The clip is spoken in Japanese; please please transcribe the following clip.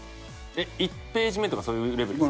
えっ１ページ目とかそういうレベルです？